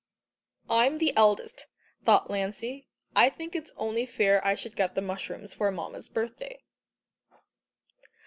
"I'm the eldest," thought Lancey. "I think it's only fair I should get the mushrooms for Mamma's birthday."